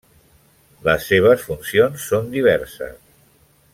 Les seves funcions són diverses.